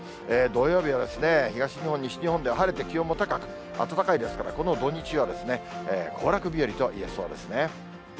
土曜日は東日本、西日本では晴れて気温も高く、暖かいですから、この土日は行楽日和といえそうですね。